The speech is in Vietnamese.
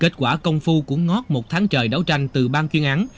kết quả công phu của ngót một tháng trời đấu tranh từ ban chuyên án